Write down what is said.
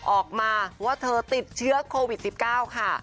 ออกมาว่าเธอติดเชื้อโควิด๑๙ค่ะ